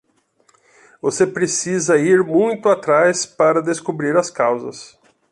Você precisa ir muito atrás para descobrir as causas.